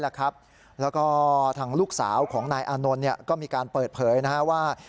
แล้วก็ทางลูกสาวของนายอานนท์ก็มีการเปิดเผยว่า